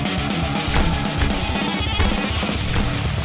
bang harus kuat bang